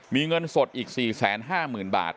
มีเงินสดอีก๔๕๐๐๐บาท